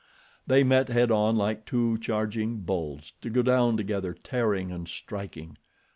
They met head on like two charging bulls, to go down together tearing and striking.